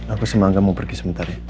aku sama angga mau pergi sementara